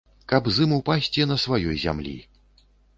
Каб з ім упасці на сваёй зямлі.